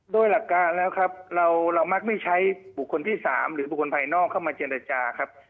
โดยหลักการแล้วครับเรามักไม่ใช้บุคคลที่๓หรือบุคคลภายนอกเข้ามาเจรจาครับ